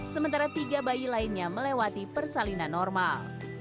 sementara tiga bayi lainnya melewati persalinan normal